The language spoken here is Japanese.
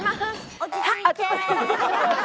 落ち着いて。